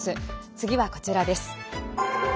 次はこちらです。